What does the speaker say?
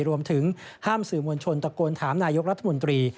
รวมถึงห้ามสื่อมวลชนตะโกนถามนายกรัฐมนตรี